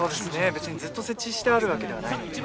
別にずっと設置してあるわけではないので。